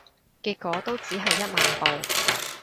結果都只係一萬步